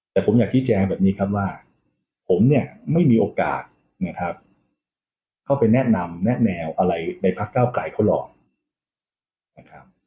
แต่ผมอยากชี้แจงแบบนี้ครับว่าผมเนี่ยไม่มีโอกาสนะครับเข้าไปแนะนำแนะแนวอะไรในพักเก้าไกลเขาหรอกนะครับ